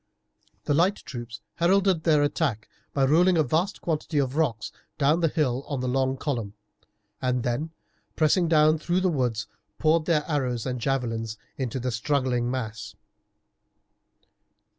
The light troops heralded their attack by rolling a vast quantity of rocks down the hill on the long column, and then, pressing down through the woods, poured their arrows and javelins into the struggling mass.